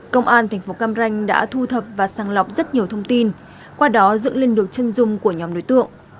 công an thành phố cam ranh đã thu thập và sàng lọc rất nhiều thông tin qua đó dựng lên được chân dung của nhóm đối tượng